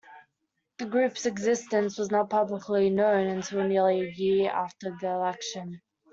The group's existence was not publicly known until nearly a year after the election.